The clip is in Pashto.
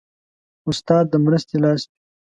استاد د مرستې لاس وي.